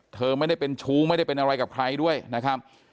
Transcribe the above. เธอไม่ได้เป็นชู้ไม่ได้เป็นอะไรกับใครด้วยนะครับ